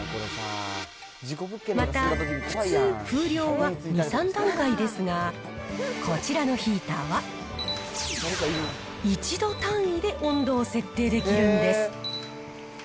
また、普通、風量は２、３段階ですが、こちらのヒーターは、１度単位で温度を設定できるんです。